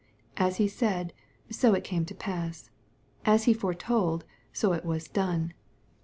As he said, so it came to pass. As he foretold, so it was done.